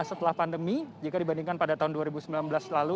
setelah pandemi jika dibandingkan pada tahun dua ribu sembilan belas lalu